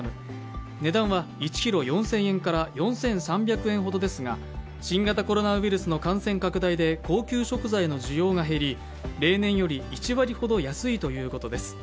値段は１ｋｇ４０００円から４３００円ほどですが、新型コロナウイルスの感染拡大で高級食材の需要が減り、例年より１割ほど安いということです。